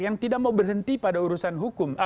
yang tidak mau berhenti pada urusan hukum